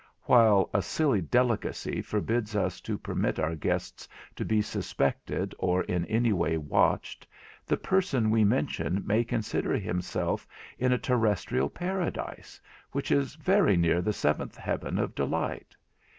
While a silly delicacy forbids us to permit our guests to be suspected or in any way watched, the person we mention may consider himself in a terrestrial paradise, which is very near the seventh heaven of delight.